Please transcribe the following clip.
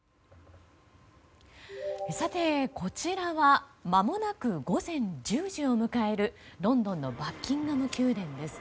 こちらはまもなく午前１０時を迎えるロンドンのバッキンガム宮殿です。